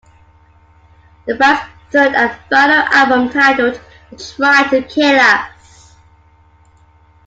The band's third and final album, titled They Tried to Kill Us.